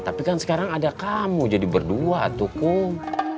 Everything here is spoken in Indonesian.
tapi kan sekarang ada kamu jadi berdua tuh kum